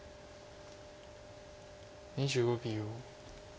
２５秒。